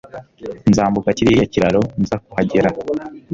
Nzambuka kiriya kiraro nza kuhagera.